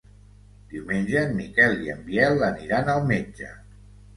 Diumenge en Miquel i en Biel aniran al metge.